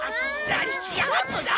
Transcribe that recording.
何しやがんだ！